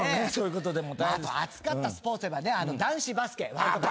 あと熱かったスポーツといえば男子バスケワールドカップ。